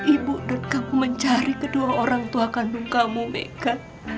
ibu dan kamu mencari kedua orang tua kandung kamu mega